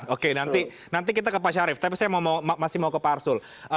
oke nanti kita ke pak syarif tapi saya masih mau ke pak arsul